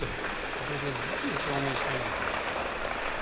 これで何を証明したいんです？